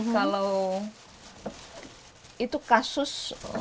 kalau itu kasus